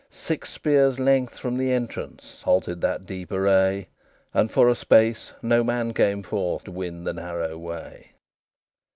Six spears' lengths from the entrance Halted that deep array, And for a space no man came forth To win the narrow way.